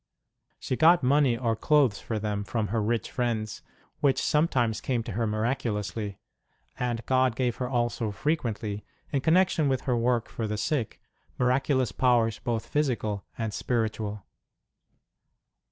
She got money or clothes ST. ROSE OF LIMA for them from her rich friends, which sometimes came to her miraculously ; and God gave her also frequently, in connection with her work for the sick, miraculous powers both physical and spiritual.